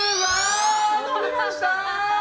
伸びましたー！